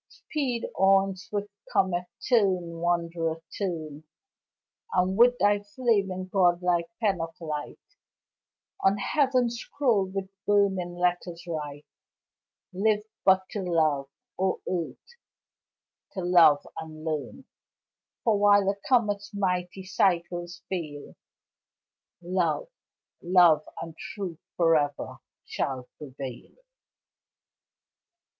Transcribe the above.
Speed on! swift comet turn, wanderer, turn! And with thy flaming, god like pen of light On heaven's scroll with burning letters write: Live but to love, O earth! to love and learn, For while a comet's mighty cycles fail, Love, love and truth forever shall prevail.